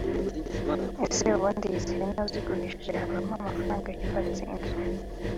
ese ubundi izi hene uzigurishije havamo amafaranga yubatse inzu